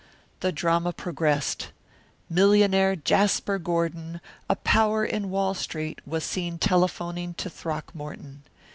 The drama progressed. Millionaire Jasper Gordon, "A Power in Wall Street," was seen telephoning to Throckmorton.